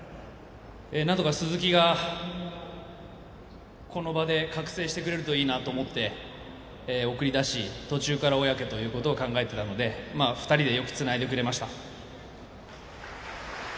なんとか鈴木がこの場で覚醒してくれるといいなと思って送り出し、途中から小宅ということを考えていたので２人で、よくつないでくれました。